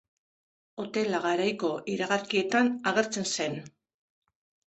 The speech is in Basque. Hotela garaiko iragarkietan agertzen zen.